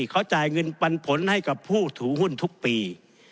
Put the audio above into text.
เขาจ่ายเงินปันผลให้กับผู้ถือหุ้นทุกปี